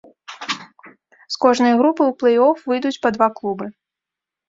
З кожнай групы ў плэй-оф выйдуць па два клубы.